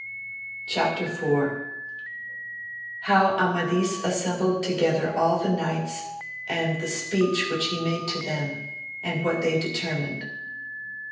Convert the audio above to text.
78 AMADIS OF GAVL Chap. IV. — How Amadis assembled together all the Knights, and the speech which he made to them, and what they de termined.